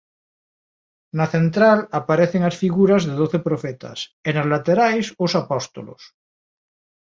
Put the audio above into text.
Na central aparecen as figuras de doce profetas e nas laterais os apóstolos.